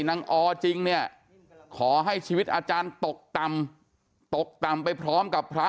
ออจริงเนี่ยขอให้ชีวิตอาจารย์ตกต่ำตกต่ำไปพร้อมกับพระ